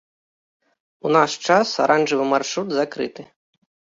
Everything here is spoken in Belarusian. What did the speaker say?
У наш час аранжавы маршрут закрыты.